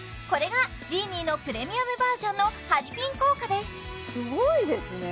これがジーニーのプレミアムバージョンのハリピン効果です